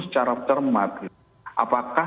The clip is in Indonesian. secara cermat apakah